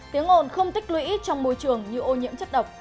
tiếng ồn không tích lũy trong môi trường như ô nhiễm chất độc